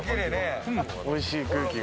おいしい、空気が。